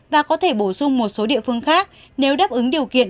và có thể bổ sung một số địa phương khác nếu đáp ứng điều kiện